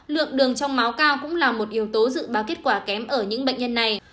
lượng đường trong máu cao cũng là một yếu tố dự báo kết quả kém ở những bệnh nhân này